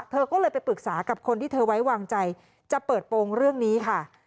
เธอก็เลยไปปรึกษากับคนที่เธอไว้วางใจจะเปิดโปรงเรื่องนี้ค่ะ